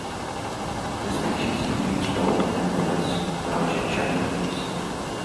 This species can reach tall and has large shiny leaves.